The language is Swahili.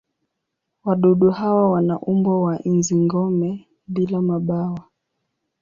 Wadudu hawa wana umbo wa nzi-gome bila mabawa.